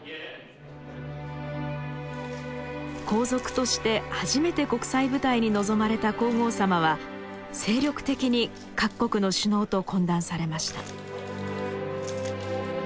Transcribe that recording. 皇族として初めて国際舞台に臨まれた皇后さまは精力的に各国の首脳と懇談されました。